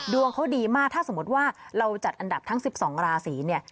ดวงเขาดีมากถ้าสมมติว่าเราจัดอันดับทั้ง๑๒ราศีเนี่ย